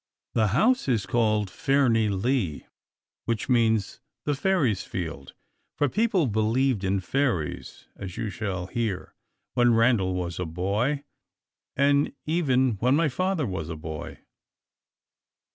The house is called Fairnilee, which means "the Fairies' Field;" for people believed in fairies, as you shall hear, when Randal was a boy, and even when my father was a boy.